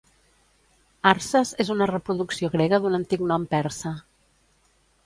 Arses és una reproducció grega d'un antic nom persa.